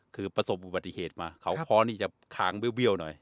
คือประสบบุปริเทศมาเขาคอนี่จะคางเบี้ยวหน่อย